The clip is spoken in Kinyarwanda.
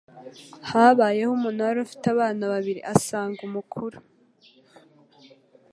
Habayeho umuntu wari ufite abana babiri; asanga umukuru,